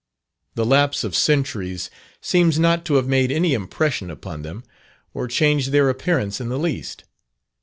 The lapse of centuries seems not to have made any impression upon them, or changed their appearance in the least.